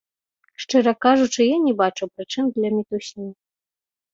Шчыра кажучы, я не бачу прычын для мітусні.